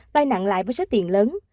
bay nặng lại với số tiền lớn